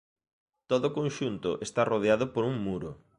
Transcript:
Todo o conxunto está rodeado por un muro.